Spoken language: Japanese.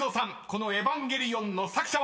この『エヴァンゲリオン』の作者は？］